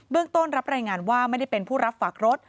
ต้นรับรายงานว่าไม่ได้เป็นผู้รับฝากรถ